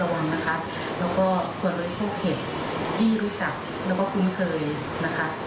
แล้วก็กลัวละล้นพวกเห็ดที่รู้จักแล้วก็คุ้มเคยเท่านั้น